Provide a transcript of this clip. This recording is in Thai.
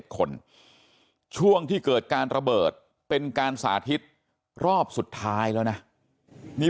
คนช่วงที่เกิดการระเบิดเป็นการสาธิตรอบสุดท้ายแล้วนะนี่